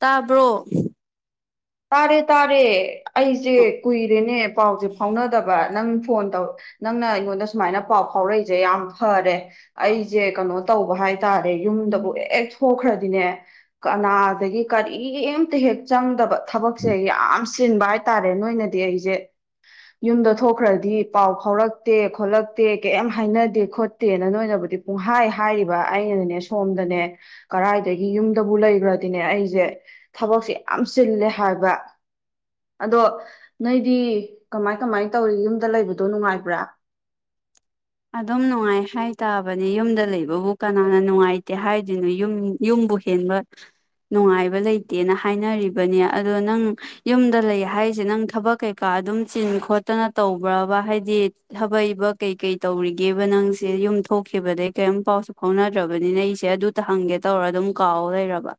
ꯇꯥꯕ꯭ꯔꯣ ꯇꯥꯔꯦ ꯇꯥꯔꯦ ꯑꯩꯁꯦ ꯀꯨꯏꯔꯦꯅꯦ ꯄꯥꯎꯁꯦ ꯐꯥꯎꯅꯗꯕ ꯅꯪ ꯐꯣꯟ ꯇꯧ ꯅꯪꯅ ꯑꯩꯉꯣꯟꯗ ꯁꯨꯃꯥꯏꯅ ꯄꯥꯎ ꯐꯥꯎꯔꯛꯏꯖꯦ ꯌꯥꯝ ꯐꯔꯦ ꯑꯩꯖꯦ ꯀꯩꯅꯣ ꯇꯧꯕ ꯍꯥꯏꯇꯥꯔꯦ ꯌꯨꯝꯗꯕꯨ ꯍꯦꯛ ꯊꫭꯛꯈ꯭ꯔꯗꯤꯅꯦ ꯀꯅꯥꯗꯒꯤ ꯀꯔꯤꯝꯇ ꯍꯦꯛ ꯆꯪꯗꯕ ꯊꯕꯛꯁꯦ ꯌꯥꯝ ꯆꯤꯟꯕ ꯍꯥꯏꯇꯥꯔꯦ ꯅꯣꯏꯅꯗꯤ ꯑꯩꯖꯦ ꯌꯨꯝꯗ ꯊꯣꯛꯈ꯭ꯔꯗꯤ ꯄꯥꯎ ꯐꯥꯎꯔꯛꯇꯦ ꯈꯣꯠꯂꯛꯇꯦ ꯀꯩꯝ ꯍꯥꯏꯅꯗꯦ ꯈꯣꯠꯇꯦꯅ ꯅꯣꯏꯅꯕꯨꯗꯤ ꯄꯨꯡꯍꯥꯏ ꯍꯥꯏꯔꯤꯕ ꯑꯩꯅꯅꯦ ꯁꯣꯝꯗꯅꯦ ꯀꯔꯥꯏꯗꯒꯤ ꯌꯨꯝꯗꯕꯨ ꯂꯩꯈ꯭ꯔꯗꯤꯅꯦ ꯑꯩꯁꯦ ꯊꯕꯛꯁꯦ ꯌꯥꯝ ꯆꯤꯜꯂꯦ ꯍꯥꯏꯕ ꯑꯗꯣ ꯅꯣꯏꯗꯤ ꯀꯃꯥꯏ ꯀꯃꯥꯏ ꯇꯧꯔꯤ ꯌꯨꯝꯗ ꯂꯩꯕꯗꯣ ꯅꯨꯡꯉꯥꯏꯕ꯭ꯔꯥ ꯑꯗꯨꯝ ꯅꯨꯡꯉꯥꯏ ꯍꯥꯏ ꯇꯥꯕꯅꯦ ꯌꯨꯝꯗ ꯂꯩꯕꯕꯨ ꯀꯅꯥꯅ ꯅꯨꯡꯉꯥꯏꯇꯦ ꯍꯥꯏꯗꯣꯏꯅꯣ ꯌꯨꯝ ꯌꯨꯝꯕꯨ ꯍꯦꯟꯕ ꯅꯨꯡꯉꯥꯏꯕ ꯂꯩꯇꯦꯅ ꯍꯥꯏꯅꯔꯤꯕꯅꯤ ꯑꯗꯣ ꯅꯪ ꯌꯨꯝꯗ ꯂꯩ ꯍꯥꯏꯔꯤꯖꯦ ꯅꯪ ꯊꯕꯛ ꯀꯩꯀꯥ ꯑꯗꯨꯝ ꯆꯤꯟ ꯈꯣꯠꯇꯅ ꯇꯧꯕ꯭ꯔꯕ ꯍꯥꯏꯗꯤ ꯊꯥꯕꯛ ꯏꯕꯛ ꯀꯩꯀꯩ ꯇꯧꯔꯤꯒꯦꯕ ꯅꯪꯁꯦ ꯌꯨꯝ ꯊꯣꯛꯈꯤꯕꯗꯒꯤꯩ ꯀꯔꯤꯝ ꯄꯥꯎꯁꯨ ꯐꯥꯎꯅꯗ꯭ꯔꯕꯅꯤꯅ ꯑꯩꯁꯦ ꯑꯗꯨ ꯇ ꯍꯪꯒꯦ ꯇꯧꯔ ꯑꯗꯨꯝ ꯀꯥꯎ ꯂꯩꯔꯕ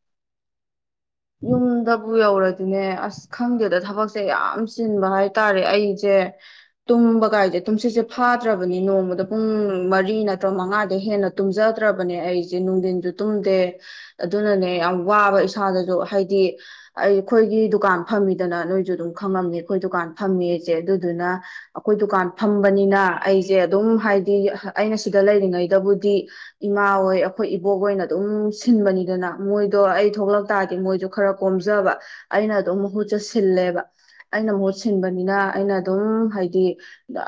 ꯌꯨꯝꯗꯕꯨ ꯌꯧꯔ ꯑꯗꯨꯅꯦ ꯑꯁ ꯈꯪꯗꯦꯗ ꯊꯕꯛꯁꯦ ꯌꯥꯝ ꯆꯤꯟꯕ ꯍꯥꯏꯇꯥꯔꯦ ꯑꯩꯁꯦ ꯇꯨꯝꯕ ꯀꯥꯏꯖꯦ ꯇꯨꯝꯁꯤꯠꯁꯦ ꯐꯥꯗ꯭ꯔꯕꯅꯤ ꯅꯣꯡꯃꯗ ꯄꯨꯡ ꯃꯔꯤ ꯅꯠꯇ꯭ꯔ ꯃꯉꯥꯗ ꯍꯦꯟꯅ ꯇꯨꯝꯖꯗ꯭ꯔꯕꯅꯦ ꯑꯩꯁꯦ ꯅꯨꯡꯊꯤꯟꯁꯨ ꯇꯨꯝꯗꯦ ꯑꯗꯨꯅꯅꯦ ꯌꯥꯝ ꯋꯥꯕ ꯏꯁꯥꯗꯁꯨ ꯍꯥꯏꯗꯤ ꯑꯩ ꯑꯩꯈꯣꯏꯒꯤ ꯗꯨꯀꯥꯟ ꯐꯝꯃꯤꯗꯅ ꯅꯣꯏꯁꯨ ꯑꯗꯨꯝ ꯈꯪꯉꯝꯅꯤ ꯑꯩꯈꯣꯏ ꯗꯨꯀꯥꯟ ꯐꯝꯃꯤ ꯖꯦ ꯑꯗꯨꯗꯨꯅ ꯑꯈꯣꯏ ꯗꯨꯀꯥꯟ ꯐꯝꯕꯅꯤꯅ ꯑꯩꯖꯦ ꯑꯗꯨꯝ ꯍꯥꯏꯗꯤ ꯑꯩꯅ ꯁꯤꯗ ꯂꯩꯔꯤꯉꯩꯗꯕꯨꯗꯤ ꯏꯃꯥ ꯍꯣꯏ ꯑꯈꯣꯏ ꯏꯕꯣꯛ ꯍꫭꯏꯅ ꯑꯗꯨꯝ ꯁꯤꯟꯕꯅꯤꯗꯅ ꯃꯣꯏꯗꯣ ꯑꯩ ꯊꯣꯛꯂꯛ ꯇꯥꯔꯗꯤ ꯃꯣꯏꯁꯨ ꯈꯔ ꯀꯣꯝꯖꯕ ꯑꯩꯅ ꯑꯗꯨꯝ ꯃꯍꯨꯠꯁꯦ ꯁꯤꯜꯂꯦꯕ ꯑꯩꯅ ꯃꯍꯨꯠ ꯁꯤꯟꯕꯅꯤꯅ ꯑꯩꯅ ꯑꯗꯨꯝ ꯍꯥꯏꯗꯤ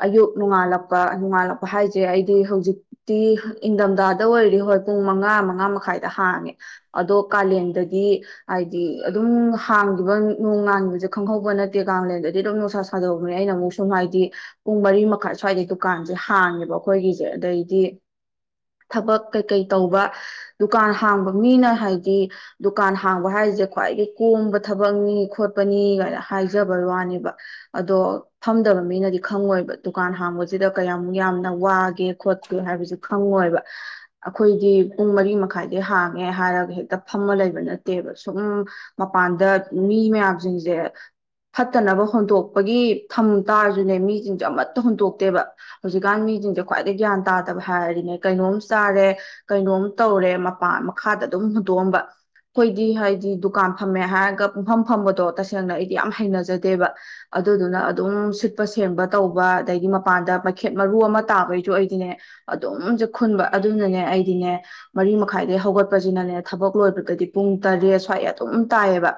ꯑꯌꯨꯛ ꯅꯣꯡꯉꯥꯜꯂꯛꯄ ꯅꯣꯡꯉꯥꯜꯂꯛꯄ ꯍꯥꯏꯁꯦ ꯑꯩꯗꯤ ꯍꯧꯖꯤꯛꯇꯤ ꯏꯪꯊꯝꯊꯥꯗ ꯑꯣꯏꯔꯗꯤ ꯍꯣꯏ ꯄꯨꯡ ꯃꯉꯥ ꯃꯉꯥ ꯃꯈꯥꯏꯗ ꯍꯥꯡꯉꯦ ꯑꯗꯣ ꯀꯥꯂꯦꯟꯗꯗꯤ ꯍꯥꯏꯗꯤ ꯑꯗꯨꯝ ꯍꯡꯒꯤꯕ ꯅꯣꯡꯉꯥꯟꯕꯖꯦ ꯈꯪꯍꯧꯕ ꯅꯠꯇꯦ ꯀꯂꯦꯟꯗꯗꯤ ꯑꯗꯨꯝ ꯅꯨꯡꯁꯥ ꯁꯥꯗꫭꯔꯛꯄꯅꯤ ꯑꯩꯅ ꯑꯃꯨꯛ ꯁꯨꯝ ꯍꯥꯏꯗꯤ ꯄꯨꯡ ꯃꯔꯤ ꯃꯈꯥꯏ ꯁ꯭ꯋꯥꯏꯗꯩ ꯗꯨꯀꯥꯟꯁꯦ ꯍꯥꯡꯉꯦꯕ ꯑꯩꯈꯣꯏꯒꯤꯁꯦ ꯑꯗꯩꯗꯤ ꯊꯕꯛ ꯀꯩꯀꯩ ꯇꯧꯕ ꯗꯨꯀꯥꯟ ꯍꯥꯡꯕ ꯃꯤꯅ ꯍꯥꯏꯗꯤ ꯗꯨꯀꯥꯟ ꯍꯥꯡꯕ ꯍꯥꯏꯁꯦ ꯈ꯭ꯋꯥꯏꯗꯒꯤ ꯀꯣꯝꯕ ꯊꯕꯛꯅꯤ ꯈꯣꯠꯄꯅꯤ ꯀꯥꯏꯅ ꯍꯥꯏꯖꯕꯩ ꯋꯥꯅꯦꯕ ꯑꯗꯣ ꯐꯝꯗꯕ ꯃꯤꯅꯗꯤ ꯈꯪꯉꯣꯏꯕ ꯗꯨꯀꯥꯟ ꯍꯥꯡꯕꯁꯤꯗ ꯀꯌꯥꯝꯃꯨꯛ ꯌꯥꯝꯅ ꯋꯥꯒꯦ ꯈꯣꯠꯀꯦ ꯍꯥꯏꯕꯖꯤ ꯈꯪꯉꯣꯏꯕ ꯑꯈꯣꯏꯒꯤ ꯄꯨꯡ ꯃꯔꯤ ꯃꯈꯥꯏꯗꯩ ꯍꯥꯡꯉꯦ ꯍꯥꯏꯔꯒ ꯍꯦꯛꯇ ꯐꯝꯃ ꯂꯩꯕꯅꯠ ꯇꯦꯕ ꯁꯨꯝ ꯃꯄꯥꯟꯗ ꯃꯤ ꯃꯌꯥꯝꯖꯤꯡꯖꯦ ꯐꯠꯇꯅꯕ ꯍꯨꯟꯇꯣꯛꯄꯒꯤ ꯊꯝ ꯇꯥꯔꯖꯨꯅꯦ ꯃꯤꯁꯤꯡꯁꯦ ꯑꯃꯠꯇ ꯍꯨꯟꯇꯣꯛꯇꯦꯕ ꯍꯧꯖꯤꯛꯀꯥꯟ ꯃꯤꯖꯤꯡꯖꯦ ꯈ꯭ꯋꯥꯏꯗꯒꯤꯩ ꯒ꯭ꯌꯥꯟ ꯇꯥꯗꯕ ꯍꯥꯏꯔꯗꯤꯅꯦ ꯀꯩꯅꯣꯝ ꯆꯥꯔꯦ ꯀꯩꯅꯣꯝ ꯇꯧꯔꯦ ꯃꯄꯥꯟ ꯃꯈꯥꯗ ꯑꯗꯨꯝ ꯍꯨꯟꯇꯣꯛꯑꯝꯕ ꯑꯩꯈꯣꯏꯗꯤ ꯍꯥꯏꯗꯤ ꯗꯨꯀꯥꯟ ꯐꯝꯃꯦ ꯍꯥꯏꯔꯒ ꯄꯨꯡꯐꯝ ꯐꯝꯕꯗꯣ ꯇꯁꯦꯡꯅ ꯑꯩꯗꯤ ꯌꯥꯝ ꯍꯩꯅꯖꯗꯦꯕ ꯑꯗꯨꯗꯨꯅ ꯑꯗꯨꯝ ꯁꯤꯠꯄ ꯁꯦꯝꯕ ꯇꯧꯕ ꯑꯩꯗꯒꯤ ꯃꯄꯥꯟꯗ ꯃꯩꯈꯦꯠ ꯃꯔꯨ ꯑꯃ ꯇꯥꯕꯩꯁꯨ ꯑꯩꯗꯤꯅꯦ ꯑꯗꯨꯝꯖꯦ ꯈꯨꯟꯕ ꯑꯗꯨꯅꯅꯦ ꯑꯩꯗꯤꯅꯦ ꯃꯔꯤ ꯃꯈꯥꯏꯗꯒꯤ ꯍꯧꯒꯠꯄꯁꯤꯅꯅꯦ ꯊꯕꯛ ꯂꯣꯏꯕꯗꯗꯤ ꯄꯨꯡ ꯇꯔꯦꯠ ꯁ꯭ꯋꯥꯏ ꯑꯗꯨꯝ ꯇꯥꯏꯌꯦꯕ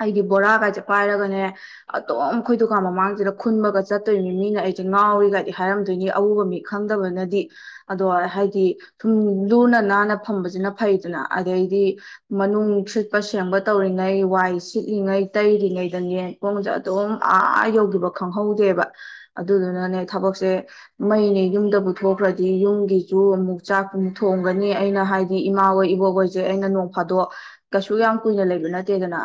ꯑꯩꯗꯤ ꯕꯣꯔꯥꯒꯥꯏꯁꯦ ꯄꯥꯏꯔꯒꯅꯦ ꯑꯗꯨꯝ ꯑꯩꯈꯣꯏ ꯗꯨꯀꯥꯟ ꯃꯃꯥꯡꯁꯤꯗ ꯈꯨꯟꯕꯒ ꯆꯠꯇꯣꯏꯅꯤ ꯃꯤꯅ ꯑꯩꯁꯦ ꯉꯥꯎꯔꯤꯒꯥꯏꯗꯤ ꯍꯥꯏꯔꯝꯗꯣꯏꯅꯤ ꯑꯎꯕ ꯃꯤ ꯈꯪꯗꯕꯅꯗꯤ ꯑꯗꯣ ꯍꯥꯏꯗꯤ ꯁꯨꯝ ꯂꯨꯅ ꯅꯥꯟꯅ ꯐꯝꯕꯁꯤꯅ ꯐꯩꯗꯅ ꯑꯗꯩꯗꯤ ꯃꯅꯨꯡ ꯁꯤꯠꯄ ꯁꯦꯡꯕ ꯇꯧꯔꯤꯉꯩ ꯋꯥꯏ ꯁꯤꯠꯂꯤꯉꯩ ꯇꯩꯔꯤꯉꯩꯗꯅꯦ ꯄꯣꯡꯁꯦ ꯑꯗꯨꯝ ꯑꯥ ꯌꯧꯗꯈꯤꯕ ꯈꯪꯍꯧꯗꯦꯕ ꯑꯗꯨꯗꯨꯅꯅꯦ ꯊꯕꯛꯁꯦ ꯃꯩꯅꯦ ꯌꯨꯝꯗ ꯄꯨꯊꯈ꯭ꯔꯗꯤ ꯌꯨꯝꯒꯤ ꯆꯨ ꯑꯃꯨꯛ ꯆꯥꯛꯛ ꯊꯣꯡꯒꯅꯤ ꯑꯩꯅ ꯍꯥꯏꯗꯤ ꯏꯃꯥꯍꯣꯏ ꯏꯕꯣꯛꯍꯣꯏꯁꯦ ꯑꯩꯅ ꯐꯥꯗꯣꯛ ꯀꯩꯁꯨ ꯌꯥꯝ ꯀꯨꯏꯅ ꯂꯩꯕ ꯅꯠꯇꯦꯗꯅ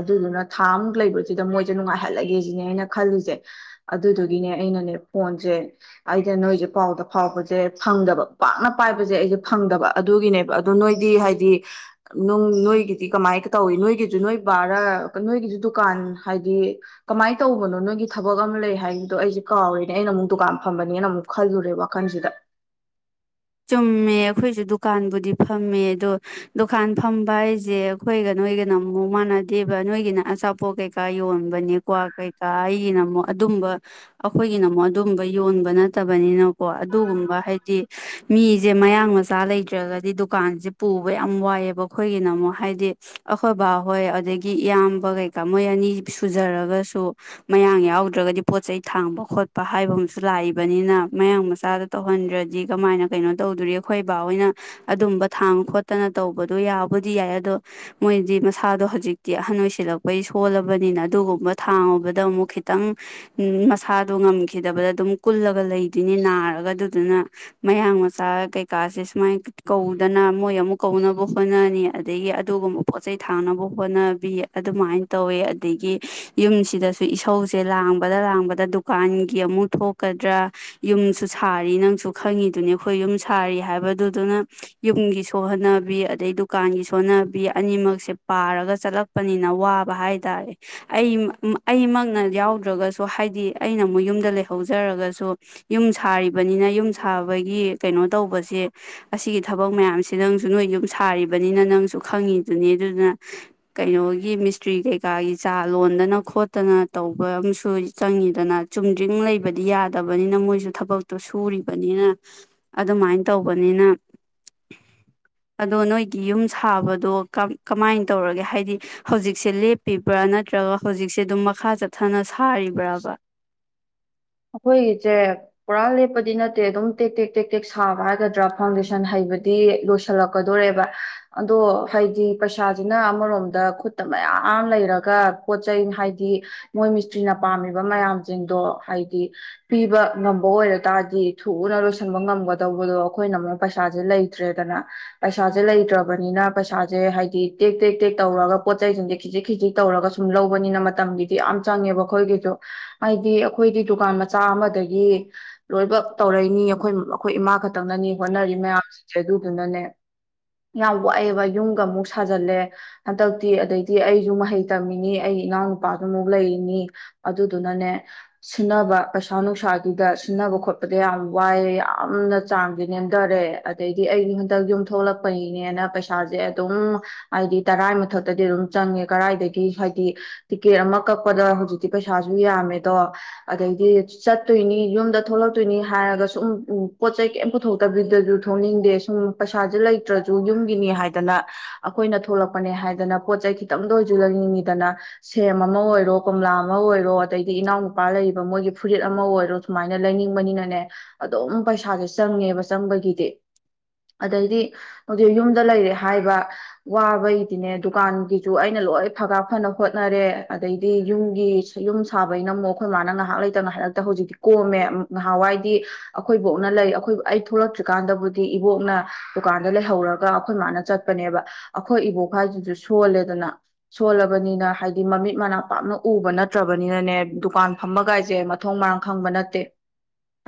ꯑꯗꯨꯗꯨꯅ ꯊꯥꯃꯨꯛ ꯂꯩꯕꯁꯤꯗ ꯃꯣꯏꯁꯦ ꯅꯨꯡꯉꯥꯏꯍꯜꯂꯒꯦ ꯁꯤꯅꯦ ꯑꯅ ꯈꯜꯂꯤꯁꯦ ꯑꯗꯨꯗꯨꯒꯤꯅꯦ ꯑꯩꯅꯅꯦ ꯐꯣꯟꯁꯦ ꯑꯩꯁ ꯅꯣꯏꯁꯦ ꯄꯥꯎꯗ ꯐꯥꯎꯕꯁꯦ ꯐꯪꯗꯕ ꯄꯥꯛꯅ ꯄꯥꯏꯕꯁꯦ ꯑꯩꯁꯦ ꯐꯪꯗꯕ ꯑꯗꯨꯒꯤꯅꯦꯕ ꯑꯗꯨ ꯅꯣꯏꯗꯤ ꯍꯥꯏꯗꯤ ꯅꯣꯏꯒꯤꯗꯤ ꯀꯃꯥꯏ ꯇꯧꯏꯤ ꯅꯣꯏꯒꯤꯁꯨ ꯅꯣꯏ ꯕꯥꯔ ꯅꯣꯏꯒꯤꯁꯨ ꯗꯨꯀꯥꯟ ꯍꯥꯏꯗꯤ ꯀꯃꯥꯏꯅ ꯇꯧꯕꯅꯣ ꯅꯣꯏꯒꯤ ꯊꯕꯛ ꯑꯃ ꯂꯩ ꯍꯥꯏꯕꯗꯣ ꯑꯩꯁꯦ ꯀꯥꯎꯋꯦꯅꯦ ꯑꯩꯅ ꯑꯃꯨꯛ ꯗꯨꯀꯥꯟ ꯐꯝꯕꯅꯦꯅ ꯑꯃꯨꯛ ꯈꯜꯂꯨꯔꯦ ꯋꯥꯈꯜꯁꯤꯗ ꯆꯨꯝꯃꯦ ꯑꯩꯈꯣꯏꯁꯨ ꯗꯨꯀꯥꯟꯕꯨꯗꯤ ꯐꯝꯃꯦ ꯑꯗꯣ ꯗꯨꯀꯥꯟ ꯐꯝꯕ ꯍꯥꯏꯁꯦ ꯑꯩꯈꯣꯏꯒ ꯅꯣꯏꯒꯅ ꯑꯃꯨꯛ ꯃꯥꯟꯅꯗꯦꯕ ꯅꯣꯏꯒꯤꯅ ꯑꯆꯥꯄꯣꯠ ꯀꯩꯀꯥ ꯌꯣꯟꯕꯅꯦ ꯀ꯭ꯋꯥꯛ ꯀꯩꯀꯥ ꯑꯩꯒꯤꯅ ꯑꯃꯨꯛ ꯑꯗꯨꯝꯕ ꯑꯩꯈꯣꯏꯒꯤꯅ ꯑꯃꯨꯛ ꯑꯗꯨꯝꯕ ꯌꯣꯟꯕ ꯅꯠꯇꯕꯅꯤꯅꯀꯣ ꯑꯗꯨꯒꯨꯝꯕ ꯍꯥꯏꯗꯤ ꯃꯤꯁꯦ ꯃꯌꯥꯡ ꯃꯆꯥ ꯂꯩꯇ꯭ꯔꯒꯗꯤ ꯗꯨꯀꯥꯟꯁꯦ ꯄꯨꯕ ꯌꯥꯝ ꯋꯥꯏꯑꯦꯕ ꯑꯩꯈꯣꯏꯒꯤꯅ ꯑꯃꯨꯛ ꯍꯥꯏꯗꯤ ꯑꯩꯈꯣꯏ ꯕꯥ ꯍꯣꯏ ꯑꯗꯒꯤ ꯏꯌꯥꯝꯕ ꯀꯩꯀꯥ ꯃꯣꯏ ꯑꯅꯤ ꯁꯨꯖꯔꯒꯁꯨ ꯃꯌꯥꯡ ꯌꯥꯎꯗ꯭ꯔꯒꯗꯤ ꯄꯣꯠ ꯆꯩ ꯊꯥꯡꯕ ꯈꯣꯠꯄ ꯍꯥꯏꯕ ꯑꯃꯁꯨ ꯂꯥꯛꯏꯕꯅꯤꯅ ꯃꯌꯥꯡ ꯃꯆꯥꯗ ꯇꯧꯍꯟꯗ꯭ꯔꯗꯤ ꯀꯃꯥꯏꯅ ꯀꯩꯅꯣ ꯇꯧꯗꯣꯔꯤ ꯑꯩꯈꯣꯏ ꯏꯕꯥ ꯍꯣꯏꯅ ꯑꯗꯨꯝꯕ ꯊꯥꯡ ꯈꯣꯠꯇꯅ ꯇꯧꯕꯗꯣ ꯌꯥꯕꯨꯗꯤ ꯌꯥꯏ ꯑꯗꯣ ꯃꯣꯏꯗꯤ ꯃꯁꯥꯗꯣ ꯍꯧꯖꯤꯛꯇꯤ ꯑꯍꯟ ꯑꯣꯏꯁꯤꯜꯂꯛꯄꯩ ꯁꯣꯜꯂꯕꯅꯤꯅ ꯑꯗꯨꯒꯨꯝꯕ ꯊꯥꯡꯉꯨꯕꯗ ꯑꯃꯨꯛ ꯈꯤꯇꯪ ꯃꯁꯥꯗꯣ ꯉꯝꯈꯤꯗꯕꯗ ꯑꯗꯨꯝ ꯀꯨꯜꯂꯒ ꯂꯩꯗꯣꯏꯅꯤ ꯅꯥꯔꯒ ꯑꯗꯨꯗꯨꯅ ꯃꯌꯥꯡ ꯃꯆꯥ ꯀꯩꯀꯥꯁꯦ ꯁꯨꯃꯥꯏꯅ ꯀꯧꯗꯅ ꯃꯣꯏ ꯑꯃꯨꯛ ꯀꯧꯅꯕ ꯍꯣꯠꯅꯅꯤ ꯑꯗꯒꯤ ꯑꯗꯨꯒꯨꯝꯕ ꯄꯣꯠ ꯆꯩꯩ ꯊꯥꯡꯅꯕ ꯍꯣꯠꯅꯕꯤ ꯑꯗꯨꯃꯥꯏꯅ ꯇꯧꯋꯦ ꯑꯗꯒꯤ ꯌꯨꯝꯁꯤꯗꯁꯨ ꯏꯁꯧꯁꯦ ꯂꯥꯡꯕꯗ ꯂꯥꯡꯕꯗ ꯗꯨꯀꯥꯟꯒꯤ ꯑꯃꯨꯛ ꯊꯣꯛꯀꯗ꯭ꯔꯥ ꯌꯨꯝꯁꯨ ꯁꯥꯔꯤ ꯅꯪꯁꯨ ꯈꯪꯉꯤꯗꯨꯅꯦ ꯑꯩꯈꯣꯏ ꯌꯨꯝ ꯁꯥꯔꯤ ꯍꯥꯏꯕꯗꯨꯗꯨꯅ ꯌꯨꯝꯒꯤ ꯁꯣꯟꯍꯅꯕꯤ ꯑꯗꯩ ꯗꯨꯀꯥꯟꯒꯤ ꯁꯣꯟꯅꯕꯤ ꯑꯅꯤꯃꯛꯁꯦ ꯄꯥꯔꯒ ꯆꯠꯂꯛꯄꯅꯤꯅ ꯋꯥꯕ ꯍꯥꯏꯇꯥꯔꯦ ꯑꯩ ꯑꯩꯃꯛꯅ ꯌꯥꯎꯗ꯭ꯔꯒꯁꯨ ꯍꯥꯏꯗꯤ ꯑꯩꯅ ꯑꯃꯨꯛ ꯌꯨꯝꯗ ꯂꯩꯍꯧꯖꯔꯒꯁꯨ ꯌꯨꯝ ꯁꯥꯔꯤꯕꯅꯤꯅ ꯌꯨꯝ ꯁꯥꯕꯒꯤ ꯀꯩꯅꯣ ꯇꯧꯕꯁꯦ ꯑꯁꯤꯒꯤ ꯊꯕꯛ ꯃꯌꯥꯝꯁꯦ ꯅꯪꯁꯨ ꯅꯣꯏ ꯌꯨꯝ ꯁꯥꯔꯤꯕꯅꯤꯅ ꯅꯪꯁꯨ ꯈꯪꯉꯤꯗꯨꯅꯤ ꯑꯗꯨꯗꯨꯅ ꯀꯩꯅꯣꯒꯤ ꯃꯤꯁꯇ꯭ꯔꯤ ꯀꯩꯀꯥꯒꯤ ꯆꯥ ꯂꯣꯟꯗꯅ ꯈꯣꯠꯇꯅ ꯇꯧꯕ ꯑꯃꯁꯨ ꯆꯪꯉꯤꯗꯅ ꯆꯨꯝꯗ꯭ꯔꯤꯡ ꯂꯩꯕꯗꯤ ꯌꯥꯗꯕꯅꯤꯅ ꯃꯣꯏꯁꯨ ꯊꯕꯛꯇꯣ ꯁꯨꯔꯤꯕꯅꯤꯅ ꯑꯗꯨꯃꯥꯏꯅ ꯇꯧꯕꯅꯤꯅ ꯑꯗꯣ ꯅꯣꯏꯒꯤ ꯌꯨꯝ ꯁꯥꯕꯗꯣ ꯀꯃꯥꯏꯅ ꯇꯧꯔꯒꯦ ꯍꯥꯏꯗꯤ ꯍꯧꯖꯤꯛꯁꯦ ꯂꯦꯞꯄꯤꯕ꯭ꯔꯥ ꯅꯠꯇ꯭ꯔꯒ ꯍꯧꯖꯤꯛꯁꯦ ꯑꯗꯨꯝ ꯃꯈꯥ ꯆꯠꯊꯅ ꯁꯥꯔꯤꯕ꯭ꯔꯕ ꯑꯩꯈꯣꯏꯒꯤꯁꯦ ꯄꯨꯔꯥ ꯂꯦꯞꯄꯗꯤ ꯅꯠꯇꯦ ꯑꯗꯨꯝ ꯇꯦꯛ ꯇꯦꯛ ꯇꯦꯛ ꯇꯦꯛ ꯁꯥꯕ ꯍꯥꯏꯒꯗ꯭ꯔꯥ ꯐꯥꯎꯟꯗꯦꯁꯟ ꯍꯩꯕꯗꯤ ꯂꯣꯏꯁꯤꯜꯂꯛꯀꯗꯣꯔꯦꯕ ꯑꯗꯣ ꯍꯥꯏꯗꯤ ꯄꯩꯁꯥꯁꯤꯅ ꯑꯃꯔꯣꯝꯗ ꯈꯨꯠꯇ ꯃꯌꯥꯝ ꯂꯩꯔꯒ ꯄꯣꯠ ꯆꯩ ꯍꯥꯏꯗꯤ ꯃꯣꯏ ꯃꯤꯁꯇ꯭ꯔꯤꯅ ꯄꯥꯝꯃꯤꯕ ꯃꯌꯥꯝꯁꯤꯡꯗꯣ ꯍꯥꯏꯗꯤ ꯍꯥꯏꯗꯤ ꯄꯤꯕ ꯉꯝꯕ ꯑꯣꯏꯔ ꯇꯥꯔꯗꯤ ꯊꯨꯅ ꯂꯣꯏꯁꯤꯟꯕ ꯉꯝꯒꯗꯧꯕꯗꯣ ꯑꯩꯈꯣꯏꯅ ꯑꯃꯨꯅ ꯄꯩꯁꯥꯁꯦ ꯂꯩꯇ꯭ꯔꯦꯗꯅ ꯄꯩꯁꯥꯁꯦ ꯂꯩꯇ꯭ꯔꯕꯅꯤꯅ ꯄꯩꯁꯥꯁꯦ ꯍꯥꯏꯗꯤ ꯇꯦꯛ ꯇꯦꯛ ꯇꯦꯛ ꯇꯧꯔꯒ ꯄꯣꯠ ꯆꯩꯁꯤꯡꯁꯦ ꯈꯤꯖꯤꯛ ꯈꯤꯖꯤꯛ ꯇꯧꯔꯒ ꯁꯨꯝ ꯂꯧꯕꯅꯤꯅ ꯃꯇꯝꯒꯤꯗꯤ ꯌꯥꯝ ꯆꯪꯉꯦꯕ ꯑꯩꯈꯣꯏꯒꯤꯁꯨ ꯍꯥꯏꯗꯤ ꯑꯩꯈꯣꯏꯗꯤ ꯗꯨꯀꯥꯟ ꯃꯆꯥ ꯑꯃꯗꯒꯤ ꯂꯣꯏꯕ ꯇꯧꯔꯛꯅꯤ ꯑꯩꯈꯣꯏ ꯑꯩꯈꯣꯏ ꯏꯃꯥ ꯈꯛꯇꯪꯅꯅꯤ ꯍꯣꯠꯅꯔꯤ ꯃꯌꯥꯝꯁꯤꯡꯁꯦ ꯑꯗꯨꯗꯨꯅꯅꯦ ꯌꯥꯝ ꯋꯥꯛꯑꯦꯕ ꯌꯨꯝꯒ ꯑꯃꯨꯛ ꯁꯥꯖꯜꯂꯦ ꯍꯟꯗꯛꯇꯤ ꯑꯗꯩꯗꯤ ꯑꯩꯁꯨ ꯃꯍꯩ ꯇꯝꯃꯤꯅꯤ ꯑꯩ ꯏꯅꯥꯎꯅꯨꯄꯥꯁꯨ ꯑꯃꯨꯛ ꯂꯩꯔꯤꯅꯤ ꯑꯗꯨꯗꯨꯅꯅꯦ ꯁꯤꯟꯅꯕ ꯄꯩꯁꯥ ꯅꯨꯡꯁꯥꯒꯤꯗ ꯁꯤꯟꯅꯕ ꯈꯣꯠꯄꯗ ꯌꯥꯝ ꯋꯥꯏꯑꯦ ꯌꯥꯝꯅ ꯆꯥꯡꯁꯦ ꯅꯦꯝꯊꯔꯦ ꯑꯗꯩꯗꯤ ꯑꯩꯗꯤ ꯍꯟꯗꯛ ꯌꯨꯝ ꯊꯣꯛꯂꯛꯄꯅꯤꯅꯦꯅ ꯄꯩꯁꯥꯁꯦ ꯑꯗꯨꯝ ꯍꯥꯏꯗꯤ ꯇꯔꯥꯏ ꯃꯊꯛꯇꯗꯤ ꯑꯗꯨꯝ ꯆꯪꯉꯦ ꯀꯔꯥꯏꯗꯒꯤ ꯍꯥꯏꯗꯤ ꯇꯤꯛꯀꯦꯠ ꯑꯃ ꯀꯛꯄꯗ ꯍꯧꯖꯤꯛꯇꯤ ꯄꯩꯁꯥꯁꯨ ꯌꯥꯝꯃꯦꯗꯣ ꯑꯗꯩꯗꯤ ꯆꯠꯇꯣꯏꯅꯤ ꯌꯨꯝꯗ ꯊꯣꯛꯂꯛꯇꯣꯏꯅꯤ ꯍꯥꯏꯔꯒ ꯁꯨꯝ ꯄꯣꯠ ꯆꯩ ꯀꯩꯝ ꯄꯨꯊꯣꯛꯇꯕꯤꯗꯁꯨ ꯊꯣꯛꯅꯤꯡꯗꯦ ꯁꯨꯝ ꯄꯩꯁꯥꯁꯦ ꯂꯩꯇ꯭ꯔꯁꯨ ꯌꯨꯝꯒꯤꯅꯤ ꯍꯥꯏꯗꯅ ꯑꯩꯈꯣꯏꯅ ꯊꯣꯛꯂꯛꯄꯅꯦ ꯍꯥꯏꯗꯅ ꯄꯣꯠ ꯆꯩꯩ ꯈꯤꯇꯪꯗ ꯑꯣꯏꯁꯨ ꯂꯩꯅꯤꯡꯉꯤꯗꯅ ꯁꯦꯝ ꯑꯃ ꯑꯣꯏꯔꯣ ꯀꯣꯝꯂꯥ ꯑꯃ ꯑꯣꯏꯔꯣ ꯑꯗꯩꯗꯤ ꯏꯅꯥꯎꯅꯨꯄꯥ ꯂꯩ ꯃꯣꯏꯒꯤ ꯐꯨꯔꯤꯠ ꯑꯃ ꯑꯣꯏꯔꯣ ꯁꯨꯃꯥꯏꯅ ꯂꯩꯅꯤꯡꯕꯅꯤꯅꯅꯦ ꯑꯗꯨꯝ ꯄꯩꯁꯥꯁꯦ ꯆꯪꯉꯦꯕ ꯆꯪꯕꯒꯤꯗꯤ ꯑꯗꯩꯗꯤ ꯍꯧꯖꯤꯛ ꯌꯨꯝꯗ ꯂꯩꯔꯦ ꯍꯥꯏꯕ ꯋꯥꯕꯒꯤꯗꯤꯅꯦ ꯗꯨꯀꯥꯟꯒꯤꯁꯨ ꯑꯩꯅ ꯂꯣꯏ ꯐꯒꯥ ꯐꯅ ꯍꯣꯠꯅꯔꯦ ꯑꯗꯩꯗꯤ ꯌꯨꯝꯒꯤ ꯌꯨꯝ ꯁꯥꯕꯩꯅ ꯑꯃꯨꯛ ꯑꯩꯈꯣꯏ ꯉꯥꯏꯍ ꯉꯥꯏꯍꯥꯛ ꯂꯩꯇꯅ ꯍꯥꯏꯔꯛꯇ ꯍꯧꯖꯤꯛꯇꯤ ꯀꯣꯝꯃꯦ ꯅꯍꯥꯟꯋꯥꯏꯗꯤ ꯑꯩꯈꯣꯏꯕꯣꯛꯅ ꯂꯩ ꯑꯩꯈꯣꯏ ꯑꯩ ꯊꯣꯛꯂꯛꯇ꯭ꯔꯤꯀꯥꯟꯗꯕꯨꯗꯤ ꯏꯕꯣꯛꯅ ꯗꯨꯀꯥꯟꯗ ꯂꯩꯍꯧꯔꯒ ꯑꯩꯈꯣꯏ ꯃꯥꯅ ꯆꯠꯄꯅꯦꯕ ꯑꯩꯈꯣꯏ ꯏꯕꯣꯛ ꯍꯥꯏꯁꯤꯁꯨ ꯁꯣꯜꯂꯦꯗꯅ ꯁꯣꯜꯂꯕꯅꯤꯅ ꯍꯥꯏꯗꯤ ꯃꯃꯤꯠ ꯃꯅꯥꯛ ꯄꯥꯞꯅ ꯎꯕ ꯅꯠꯇ꯭ꯔꯕꯅꯤꯅꯅꯦ ꯗꯨꯀꯥꯟ ꯐꯝꯃꯒ ꯁꯦ ꯃꯊꯣꯡ ꯃꯔꯥꯡ ꯈꯪꯕ ꯅꯠꯇꯦ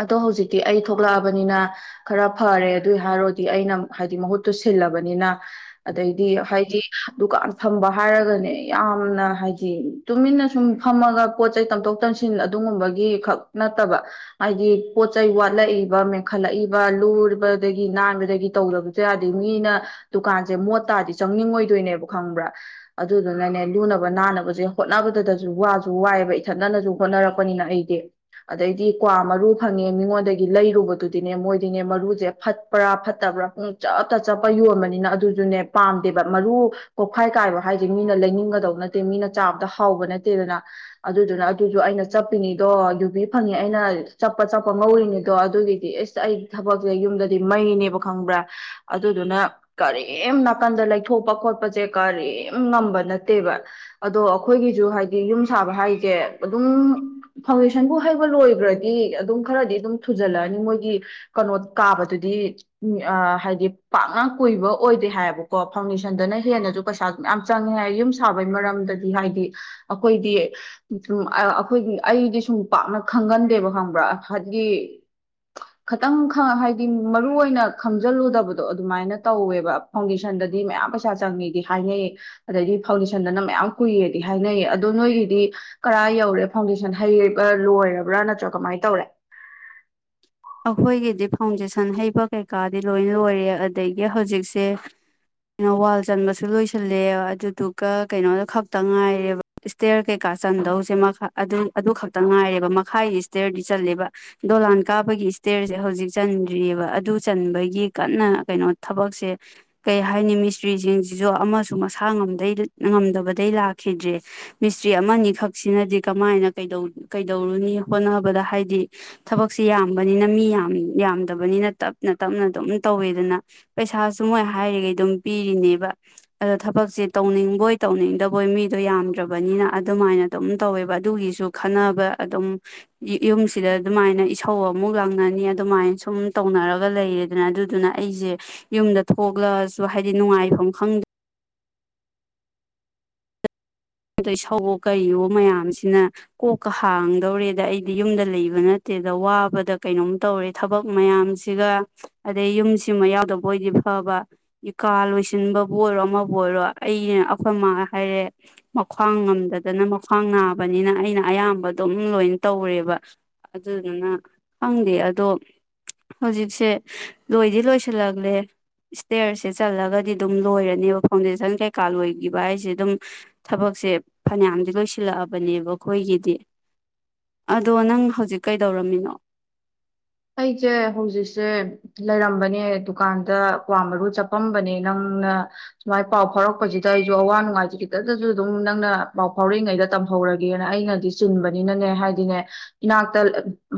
ꯑꯗꯣ ꯍꯧꯖꯤꯛꯇꯤ ꯑꯩ ꯊꯣꯛꯂꯛꯑꯕꯅꯤꯅ ꯈꯔ ꯐꯔꯦ ꯑꯗꯨ ꯍꯥꯏꯔꯣꯗꯤ ꯑꯩꯅ ꯍꯥꯏꯗꯤ ꯃꯍꯨꯠꯇꯨ ꯁꯤꯜꯂꯕꯅꯤꯅ ꯑꯗꯩꯗꯤ ꯍꯥꯏꯗꯤ ꯗꯨꯀꯥꯟ ꯐꯝꯕ ꯍꯥꯏꯔꯒꯅꯦ ꯌꯥꯝꯅ ꯍꯥꯏꯗꯤ ꯇꯨꯃꯤꯟꯅ ꯁꯨꯝ ꯐꯝꯃꯒ ꯄꯣꯠ ꯆꯩꯩ ꯇꯝꯊꯣꯛ ꯇꯝꯁꯤꯟ ꯑꯗꯨꯒꯨꯝꯕꯒꯤ ꯈꯛ ꯅꯠꯇꯕ ꯍꯥꯏꯗꯤ ꯄꯣꯠ ꯆꯩꯩ ꯋꯥꯠꯂꯛꯏꯕ ꯃꯦꯟꯈꯠꯂꯛꯏꯕ ꯂꯨꯕꯗꯒꯤ ꯅꯥꯟꯕꯗꯒꯤ ꯇꯧꯗꯕꯁꯨ ꯌꯥꯗꯦ ꯃꯤꯅ ꯗꯨꯀꯥꯟꯁꯦ ꯃꯣꯠ ꯇꯥꯗꯤ ꯆꯪꯅꯤꯡꯉꯣꯏꯗꯣꯏꯅꯦꯕ ꯈꯪꯕ꯭ꯔꯥ ꯑꯗꯨꯗꯨꯅꯅꯦ ꯂꯨꯅꯕ ꯅꯥꯟꯅꯕꯁꯦ ꯍꯣꯠꯅꯕꯗꯁꯨ ꯋꯥꯁꯨ ꯋꯥꯏꯑꯕ ꯏꯊꯠꯅꯅꯁꯨ ꯍꯣꯠꯅꯔꯛꯄ ꯄꯅꯤꯅ ꯑꯩꯗꯤ ꯑꯗꯩꯗꯤ ꯀ꯭ꯋꯥ ꯃꯔꯨ ꯐꯪꯉꯦ ꯃꯤꯉꯣꯟꯗꯒꯤ ꯂꯩꯔꯨꯕꯗꯨꯗꯤꯅꯦ ꯃꯣꯏꯗꯤꯅꯦ ꯃꯔꯨꯁꯦ ꯐꯠꯄ꯭ꯔꯥ ꯐꯠꯇꯕ꯭ꯔꯥ ꯄꯨꯡ ꯆꯞꯇ ꯆꯞꯄ ꯌꯣꯟꯕꯅꯤꯅ ꯑꯗꯨꯁꯨꯅꯦ ꯄꯥꯝꯗꯦꯕ ꯃꯔꯨ ꯀꯣꯛꯐꯥꯏ ꯀꯥꯏꯕ ꯍꯥꯏꯁꯦ ꯃꯤꯅ ꯂꯩꯅꯤꯡꯒꯗꯧ ꯅꯠꯇꯦ ꯃꯤꯅ ꯆꯥꯕꯗ ꯍꯥꯎꯕ ꯅꯠꯇꯦꯗꯅ ꯑꯗꯨꯗꯨꯅ ꯑꯗꯨꯁꯨ ꯑꯩꯅ ꯆꯠꯄꯤꯅꯤꯗꯣ ꯌꯨꯕꯤ ꯐꯪꯉꯤ ꯑꯩꯅ ꯆꯠꯄ ꯆꯠꯄ ꯉꯧꯔꯤꯅꯤꯗꯣ ꯑꯗꯨꯒꯤꯗꯤ ꯑꯦꯁ ꯑꯩ ꯊꯕꯛꯁꯦ ꯌꯨꯝꯗꯗꯤ ꯃꯩꯅꯦꯕ ꯈꯪꯕ꯭ꯔꯥ ꯑꯗꯨꯗꯨꯅ ꯀꯔꯤꯝ ꯅꯥꯀꯟꯗ ꯂꯩꯊꯣꯛꯄ ꯈꯣꯠꯄꯁꯦ ꯀꯔꯤꯝ ꯉꯝꯕ ꯅꯠꯇꯦꯕ ꯑꯗꯣ ꯑꯩꯈꯣꯏꯒꯤꯁꯨ ꯍꯥꯏꯗꯤ ꯌꯨꯝ ꯁꯥꯕ ꯍꯥꯏꯁꯦ ꯑꯗꯨꯝ ꯐꯥꯎꯟꯗꯦꯁꯟꯕꯨ ꯍꯩꯕ ꯂꯣꯏꯈ꯭ꯔꯗꯤ ꯑꯗꯨꯝ ꯈꯔꯗꯤ ꯑꯗꯨꯝ ꯊꯨꯖꯜꯂꯛꯑꯅꯤ ꯃꯣꯏꯒꯤ ꯀꯩꯅꯣ ꯀꯥꯕꯗꯨꯗꯤ ꯍꯥꯏꯗꯤ ꯄꯥꯛꯅ ꯀꯨꯏꯕ ꯑꯣꯏꯗꯦ ꯍꯥꯏꯌꯦꯕꯀꯣ ꯐꯥꯎꯟꯗꯦꯁꯟꯗꯅ ꯍꯦꯟꯅꯁꯨ ꯄꯩꯁꯥ ꯌꯥꯝꯌꯥꯝ ꯆꯪꯉꯦ ꯍꯥꯏ ꯌꯨꯝ ꯁꯥꯕꯩ ꯃꯔꯝꯗꯗꯤ ꯍꯥꯏꯗꯤ ꯑꯩꯈꯣꯏꯗꯤ ꯑꯩꯈꯣꯏꯒꯤ ꯑꯩꯗꯤ ꯁꯨꯝ ꯄꯥꯛꯅ ꯈꯪꯒꯟꯗꯦꯕ ꯈꯪꯕ꯭ꯔꯥ ꯍꯥꯏꯕꯗꯤ ꯈꯤꯇꯪ ꯍꯥꯏꯗꯤ ꯃꯔꯨꯏ ꯑꯣꯏꯅ ꯈꯪꯖꯤꯜꯂꯨꯗꯕꯗꯣ ꯑꯗꯨꯃꯥꯏꯅ ꯇꯧꯋꯦꯕ ꯐꯥꯎꯟꯗꯦꯁꯟꯗꯗꯤ ꯃꯌꯥꯝ ꯄꯩꯁꯥ ꯆꯪꯉꯤꯗꯤ ꯍꯥꯏꯅꯩꯌꯦ ꯑꯗꯩꯗꯤ ꯐꯥꯎꯟꯗꯦꯁꯟꯗꯅ ꯃꯌꯥꯝ ꯀꯨꯏꯌꯦꯗꯤ ꯍꯥꯏꯅꯩꯌꯦ ꯑꯗꯣ ꯅꯣꯏꯒꯤꯗꯤ ꯀꯔꯥ ꯌꯧꯔꯦ ꯐꯥꯎꯟꯗꯦꯁꯟ ꯍꯩ ꯂꯣꯏꯔꯕ꯭ꯔꯥ ꯅꯠꯇ꯭ꯔꯥ ꯀꯃꯥꯏꯅ ꯇꯧꯔꯦ ꯑꯩꯈꯣꯏꯒꯤꯗꯤ ꯐꯥꯎꯟꯗꯦꯁꯟ ꯍꯩꯕ ꯀꯩꯀꯥꯗꯤ ꯂꯣꯏ ꯂꯣꯏꯔꯦ ꯑꯗꯒꯤ ꯍꯧꯖꯤꯛꯁꯦꯩꯅ ꯋꯥꯜ ꯆꯟꯕꯁꯨ ꯂꯣꯏꯁꯤꯜꯂꯦ ꯑꯗꯨꯗꯨꯒ ꯀꯩꯅꯣꯗ ꯈꯛꯇ ꯉꯥꯏꯔꯦꯕ ꯏꯁꯇꯦꯌꯔ ꯀꯩꯀꯥ ꯆꯟꯗꯧꯁꯦ ꯑꯗꯨ ꯈꯛꯇ ꯉꯥꯏꯔꯦꯕ ꯃꯈꯥꯏꯒꯤ ꯏꯁꯇꯦꯌꯔꯗꯤ ꯆꯜꯂꯦꯕ ꯗꯣꯂꯥꯟ ꯀꯥꯞ ꯑꯩꯈꯣꯏꯒꯤ ꯏꯁꯇꯦꯔꯁꯦ ꯍꯧꯖꯤꯛ ꯆꯟꯗ꯭ꯔꯤꯑꯕ ꯑꯗꯨ ꯆꯟꯕꯒꯤ ꯀꯟꯅ ꯀꯩꯅꯣ ꯊꯕꯛꯁꯦ ꯀꯩ ꯍꯥꯏꯅꯤ ꯃꯤꯁꯇ꯭ꯔꯤꯁꯤꯡꯁꯤꯁꯨ ꯑꯃꯁꯨ ꯃꯁꯥ ꯉꯝꯗꯩ ꯉꯝꯗꯕꯗꯩ ꯂꯥꯛꯈꯤꯗ꯭ꯔꯦ ꯃꯤꯁꯇ꯭ꯔꯤ ꯑꯃꯅꯤꯈꯛꯁꯤꯅꯗꯤ ꯀꯃꯥꯏꯅ ꯀꯩꯗꯧꯔꯨꯅꯤ ꯍꯣꯠꯅꯕꯗ ꯍꯥꯏꯗꯤ ꯊꯕꯛꯁꯦ ꯌꯥꯝ ꯝꯕꯅꯤꯅ ꯃꯤ ꯌꯥꯝ ꯌꯥꯝꯗꯕꯅꯤꯅ ꯇꯞꯅ ꯇꯞꯅ ꯑꯗꯨꯝ ꯇꯧꯋꯦꯗꯅ ꯄꯩꯁꯥꯁꯨ ꯃꯣꯏ ꯍꯥꯏꯔꯤꯈꯩ ꯑꯗꯨꯝ ꯄꯤꯔꯤꯅꯦꯕ ꯑꯗꯣ ꯊꯕꯛꯁꯦ ꯇꯧꯅꯤꯡꯕꯣꯏ ꯇꯧꯅꯤꯡꯗꯕꯣꯏ ꯃꯤꯗꯣ ꯌꯥꯝꯗ꯭ꯔꯕꯅꯤꯅ ꯑꯗꯨꯃꯥꯏꯅ ꯑꯗꯨꯝ ꯇꯧꯋꯦꯕ ꯑꯗꯨꯒꯤꯁꯨ ꯈꯟꯅꯅꯕ ꯑꯗꯨꯝ ꯌꯨꯝꯁꯤꯗ ꯑꯗꯨꯃꯥꯏꯅ ꯊꯧ ꯑꯃꯨꯛ ꯂꯥꯡꯅꯅꯤ ꯑꯗꯨꯃꯥꯏꯅ ꯁꯨꯝ ꯇꯧꯅꯔꯒ ꯂꯩꯔꯦꯗꯅ ꯑꯗꯨꯗꯨꯅ ꯑꯩꯁꯦ ꯌꯨꯝꯗ ꯊꯣꯛꯂꯁꯨ ꯍꯥꯏꯗꯤ ꯅꯨꯡꯉꯥꯏꯐꯝ ꯈꯪꯗꯦ ꯑꯗꯩ ꯁꯎ ꯀꯌꯣ ꯃꯌꯥꯝꯁꯤꯅ ꯀꯣꯛꯀ ꯍꯥꯡꯗꯧꯔꯦꯗ ꯑꯩꯗꯤ ꯌꯨꯝꯗ ꯂꯩꯕ ꯅꯠꯇꯦꯗ ꯋꯥꯕꯗ ꯀꯩꯅꯣꯝ ꯇꯧꯔꯦ ꯊꯕꯛ ꯃꯌꯥꯝꯁꯤꯒ ꯑꯗꯩ ꯌꯨꯝꯁꯤꯃ ꯌꯥꯎꯗꯕ ꯑꯣꯏꯗꯤ ꯐꯕ ꯀꯥ ꯂꯣꯏꯁꯤꯟꯕꯕꯨ ꯑꯣꯏꯔꯣ ꯑꯃꯕꯨ ꯑꯣꯏꯔꯣ ꯑꯩꯅ ꯑꯩꯈꯣꯏ ꯃꯥ ꯍꯥꯏꯔꯦ ꯃꯈ꯭ꯋꯥꯡ ꯉꯝꯗꯗꯅ ꯃꯈ꯭ꯡ ꯅꯥꯕꯅꯤꯅ ꯑꯩꯅ ꯑꯌꯥꯝꯕ ꯑꯗꯨꯝ ꯂꯣꯏ ꯇꯧꯔꯦꯕ ꯑꯗꯨꯗꯨꯅ ꯈꯪꯗꯦ ꯑꯗꯣ ꯍꯧꯖꯤꯛꯁꯦ ꯂꯣꯏꯗꯤ ꯂꯣꯏꯁꯤꯜꯂꯛꯂꯦ ꯏꯁꯇꯦꯔꯁꯦ ꯆꯠꯂꯒꯗꯤ ꯑꯗꯨꯝ ꯂꯣꯏꯔꯅꯦꯕ ꯐꯥꯎꯟꯗꯦꯁꯟ ꯀꯩꯀꯥ ꯂꯣꯏꯈꯤꯕ ꯍꯥꯏꯁꯦ ꯑꯗꯨꯝ ꯊꯕꯛꯁꯦ ꯐꯅꯌꯥꯝꯗꯤ ꯂꯣꯏꯁꯤꯜꯂꯛꯑꯕꯅꯦꯕ ꯑꯩꯈꯣꯏꯒꯤꯗꯤ ꯑꯗꯣ ꯅꯪ ꯍꯧꯖꯤꯛ ꯀꯩꯗꯧꯔꯝꯃꯤꯅꯣ ꯑꯩꯁꯦ ꯍꯧꯖꯤꯛꯁꯦ ꯂꯩꯔꯝꯕꯅꯦ ꯗꯨꯀꯥꯟꯗ ꯀ꯭ꯋꯥ ꯃꯔꯨ ꯆꯠꯄꯝꯕꯅꯦ ꯅꯪꯅ ꯁꯨꯃꯥꯏꯅ ꯄꯥꯎ ꯐꯥꯎꯔꯛꯄꯁꯤꯗ ꯑꯩꯁꯨ ꯑꯋꯥ ꯅꯨꯡꯉꯥꯏꯁꯦ ꯈꯤꯇꯇꯁꯨ ꯑꯗꯨꯝ ꯅꯪꯅ ꯄꯥꯎ ꯐꯥꯎꯔꯛꯏꯉꯩꯗ ꯇꯝꯍꯧꯔꯒꯦꯅ ꯑꯩꯅꯗꯤ ꯆꯤꯟꯕꯅꯤꯅꯅꯦ ꯍꯥꯏꯗꯤꯅꯦ ꯏꯅꯥꯛꯇ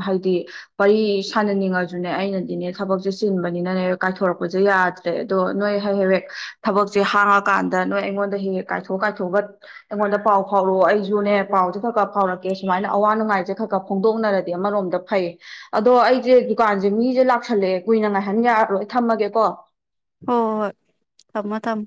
ꯍꯥꯏꯗꯤ ꯄꯔꯤ ꯁꯥꯟꯅꯅꯤꯡꯉꯁꯨꯅꯦ ꯑꯩꯅꯗꯤꯅꯦ ꯊꯕꯛꯁꯦ ꯆꯤꯟꯕꯅꯤꯅꯅꯦ ꯀꯥꯏꯊꯣꯔꯛꯄꯁꯦ ꯌꯥꯗ꯭ꯔꯦ ꯑꯗꯣ ꯅꯣꯏ ꯍ ꯍ ꯍꯦꯛ ꯊꯕꯛꯁꯦ ꯍꯥꯡꯉꯀꯥꯟꯗ ꯅꯣꯏ ꯑꯩꯉꯣꯟꯗ ꯍꯦꯛ ꯍꯦꯛ ꯀꯥꯏꯊꯣꯛ ꯀꯥꯏꯊꯣꯛꯑꯒ ꯑꯩꯉꯣꯟꯗ ꯄꯥꯎ ꯐꯥꯎꯔꯛꯑꯣ ꯑꯩꯁꯨꯅꯦ ꯄꯥꯎꯁꯦ ꯈꯔ ꯈꯔ ꯐꯥꯎꯔꯛꯀꯦ ꯁꯨꯃꯥꯏꯅ ꯑꯋꯥ ꯅꯨꯡꯉꯥꯏꯁꯦ ꯈꯔ ꯈꯔ ꯐꯣꯡꯗꯣꯛꯅꯔꯗꯤ ꯑꯃꯔꯣꯝꯗ ꯐꯩ ꯑꯗꯣ ꯑꯩ ꯑꯩꯁꯦ ꯗꯨꯀꯥꯟꯁꯦ ꯃꯤꯁꯦ ꯂꯥꯛꯁꯜꯂꯛꯑꯦ ꯀꯨꯏꯅ ꯉꯥꯏꯍꯟ ꯌꯥꯔꯔꯣꯏ ꯊꯝꯃꯒꯦꯀꯣ ꯍꯣꯏ ꯍꯣꯏ ꯊꯝꯃꯣ ꯊꯝꯃ